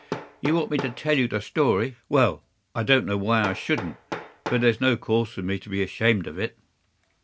You want me to tell the story. Well, I don't know why I shouldn't, for there's no cause for me to be ashamed of it.